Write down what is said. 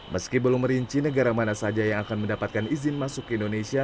meski belum merinci negara mana saja yang akan mendapatkan izin masuk ke indonesia